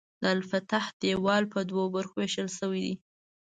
د الفتح دیوال په دوو برخو ویشل شوی دی.